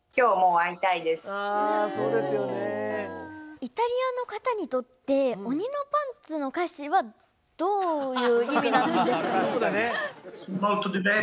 イタリアの方にとって「おにのパンツ」の歌詞はどういう意味なんですかね？